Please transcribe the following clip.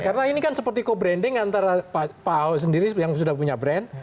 karena ini kan seperti co branding antara pak ahok sendiri yang sudah punya brand